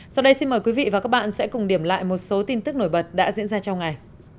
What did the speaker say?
sau đây xin mời quý vị và các bạn sẽ cùng điểm lại một số tin tức nổi bật đã diễn ra trong ngày